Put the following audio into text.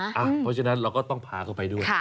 เพราะฉะนั้นเราก็ต้องพาเขาไปด้วย